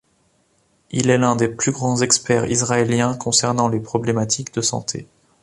Il est l'un des plus grands experts israéliens concernant les problématiques de santé.